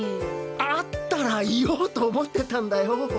会ったら言おうと思ってたんだよ。